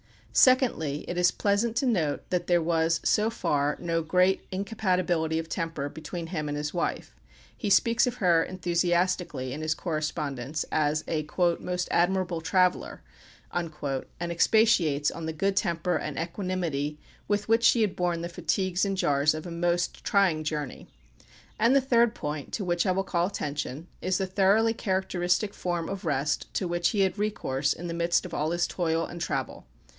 Secondly, it is pleasant to note that there was, so far, no great "incompatibility of temper" between him and his wife. He speaks of her enthusiastically, in his correspondence, as a "most admirable traveller," and expatiates on the good temper and equanimity with which she had borne the fatigues and jars of a most trying journey. And the third point to which I will call attention is the thoroughly characteristic form of rest to which he had recourse in the midst of all his toil and travel.